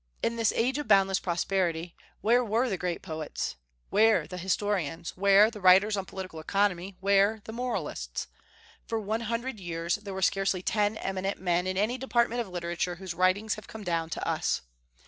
In this age of boundless prosperity, where were the great poets, where the historians, where the writers on political economy, where the moralists? For one hundred years there were scarcely ten eminent men in any department of literature whose writings have come down to us.